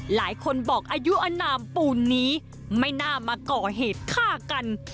หลายคนบอกอายุอนามปูนนี้ไม่น่ามาก่อเหตุฆ่ากัน